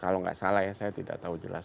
kalau nggak salah ya saya tidak tahu jelas